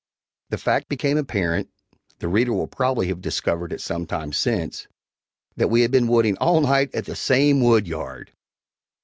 The fact became apparent the reader will probably have discovered it some time since that we had been wooding all night at the same woodyard!